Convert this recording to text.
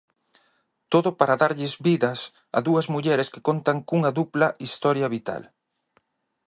Todo para darlles vidas a dúas mulleres que contan cunha dupla historia vital.